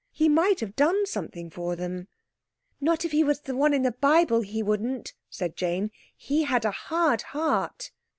He might have done something for them." "Not if he was the one in the Bible he wouldn't," said Jane. "He had a hard heart."